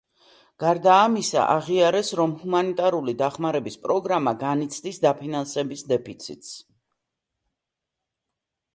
გარდა ამისა, აღიარეს, რომ ჰუმანიტარული დახმარების პროგრამა განიცდის დაფინანსების დეფიციტს.